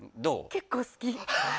結構好き。